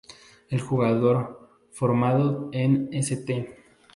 El jugador, formado en St.